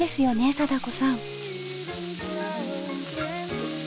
貞子さん。